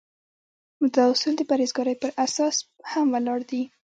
دا اصول د پرهیزګارۍ په اساس هم ولاړ دي.